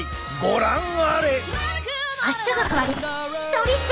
ご覧あれ！